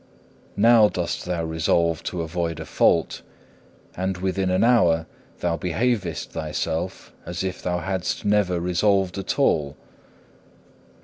Now dost thou resolve to avoid a fault, and within an hour thou behavest thyself as if thou hadst never resolved at all.